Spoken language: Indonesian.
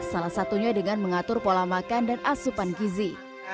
salah satunya dengan mengatur pola makan dan asupan gizi